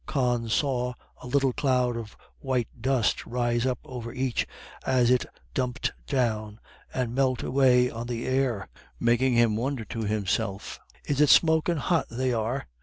Con saw a little cloud of white dust rise up over each as it dumped down, and melt away on the air, making him wonder to himself: "Is it smokin' hot they are?"